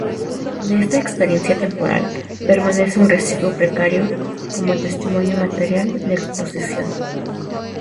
De esta experiencia temporal, permanece un residuo precario como testimonio material: la exposición.